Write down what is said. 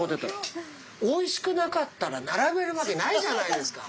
おいしくなかったら並べるわけないじゃないですか。